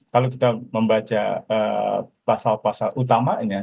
kalau kita membaca pasal pasal utamanya